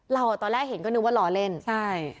ตอนแรกเห็นก็นึกว่ารอเล่นใช่